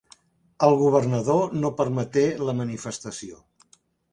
El governador no permeté la manifestació.